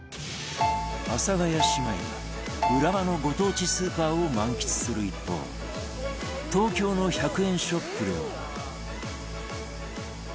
阿佐ヶ谷姉妹は浦和のご当地スーパーを満喫する一方東京の１００円ショップでは